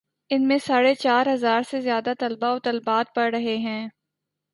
ان میں ساڑھے چار ہزار سے زیادہ طلبا و طالبات پڑھ رہے ہیں۔